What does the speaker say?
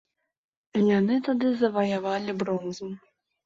Яны тады заваявалі бронзу.